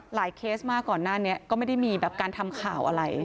เคสมากก่อนหน้านี้ก็ไม่ได้มีแบบการทำข่าวอะไร